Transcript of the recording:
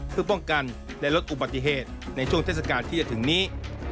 เพื่อป้องกันและลดอุบัติเหตุในช่วงเทศกาลที่จะถึงนี้